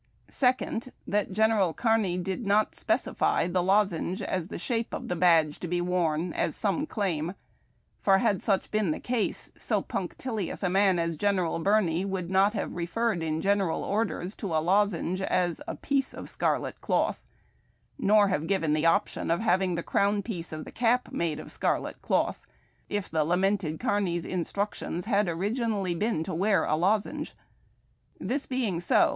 Second, that General Kearny did not specify the lozenge as the shape of the badge to be worn, as some claim ; for, had such been the case, so punctilious a man as General Birney would not have referred in general orders to a lozenge as " a piece of scarlet cloth," nor have given the option of hav ing the crown piece of the cap made of scarlet cloth if the lamented Kearny's instructions had originall}^ been to wear a lozenge. This being so.